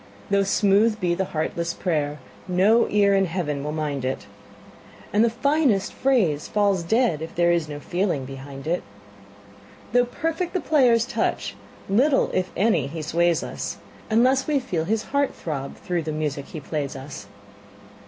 Though smooth be the heartless prayer, no ear in Heaven will mind it, And the finest phrase falls dead if there is no feeling behind it. Though perfect the player's touch, little, if any, he sways us, Unless we feel his heart throb through the music he plays us.